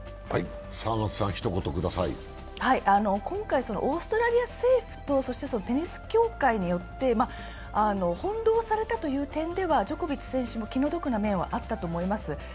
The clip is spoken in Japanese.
今回、オーストラリア政府とテニス協会によって翻弄されたという点ではジョコビッチ選手も気の毒な点はあったと思います。